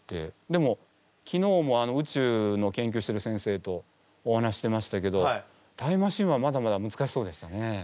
でも昨日も宇宙の研究してる先生とお話してましたけどタイムマシーンはまだまだむずかしそうでしたね。